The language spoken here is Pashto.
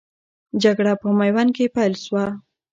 جګړه په میوند کې پیل سوه.